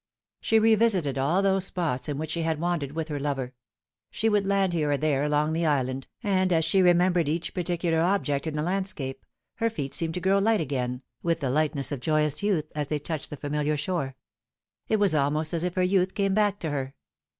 She revisited all those spots in which she had wandered with her lover. She would land here or there along the island, and as she remembered each particular object in the landscape, her feet seemed to grow light again, with the lightness of joyous youth, as they touched the familiar shore. It was almost as if ker youth came back to her.